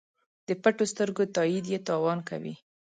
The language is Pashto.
د پټو سترګو تایید یې تاوان کوي.